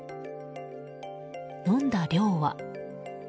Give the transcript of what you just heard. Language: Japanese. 飲んだ量は。